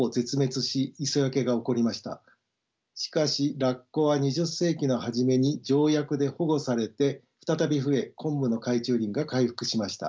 しかしラッコは２０世紀の初めに条約で保護されて再び増えコンブの海中林が回復しました。